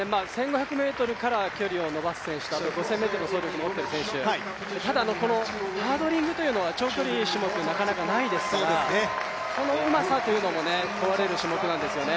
１５００ｍから距離をのばす選手と５０００ｍの走力を持っている選手、ただこのハードリング長距離種目なかなかないですからそのうまさというのも問われる種目なんですよね。